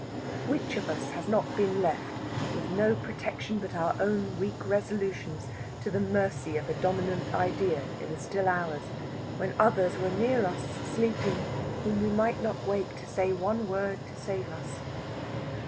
Which of us has not been left, with no protection but our own weak resolutions, to the mercy of a dominant idea in the still hours when others were near us sleeping whom we might not wake to say one word to save us?